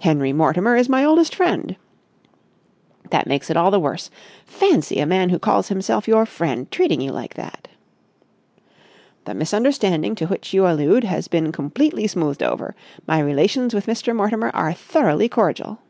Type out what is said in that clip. "Henry Mortimer is my oldest friend." "That makes it all the worse. Fancy a man who calls himself your friend treating you like that!" "The misunderstanding to which you allude has been completely smoothed over. My relations with Mr. Mortimer are thoroughly cordial."